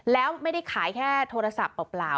แล้วไม่ได้ขายแค่โทรศัพท์เปล่า